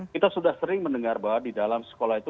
kita sudah sering mendengar bahwa di dalam sekolah itu